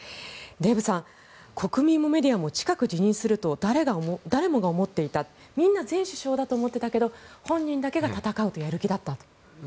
デーブさん、国民もメディアも近く辞任すると誰もが思っていたみんな前首相だと思っていたけれど本人だけが闘うとやる気だったということです。